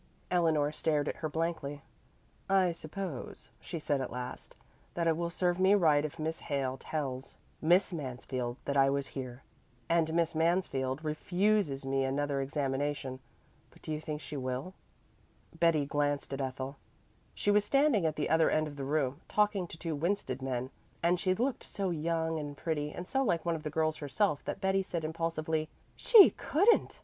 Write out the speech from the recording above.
Eleanor stared at her blankly. "I suppose," she said at last, "that it will serve me right if Miss Hale tells Miss Mansfield that I was here, and Miss Mansfield refuses me another examination; but do you think she will?" Betty glanced at Ethel. She was standing at the other end of the room, talking to two Winsted men, and she looked so young and pretty and so like one of the girls herself that Betty said impulsively, "She couldn't!"